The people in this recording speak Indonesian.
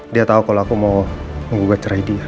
dia tau kalo aku mau menggugat cerai dia